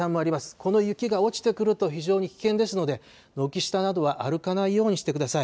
この雪が落ちてくると非常に危険ですので、軒下などは歩かないようにしてください。